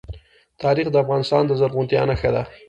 تاریخ د افغانستان د زرغونتیا نښه ده.